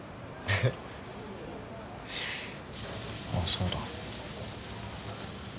あっそうだ。